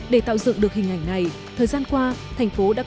để tạo dựng được hình ảnh này